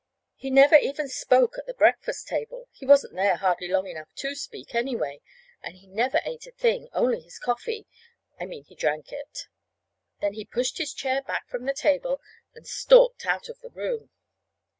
He never even spoke at the breakfast table. (He wasn't there hardly long enough to speak, anyway, and he never ate a thing, only his coffee I mean he drank it.) Then he pushed his chair back from the table and stalked out of the room.